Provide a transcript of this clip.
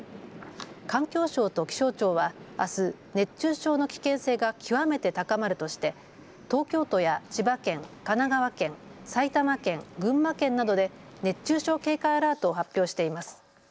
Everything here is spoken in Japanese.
環境省と気象庁はあす熱中症の危険性が極めて高まるとして東京都や千葉県、神奈川県、埼玉県、群馬県などで熱中症警戒アラートを発表しています。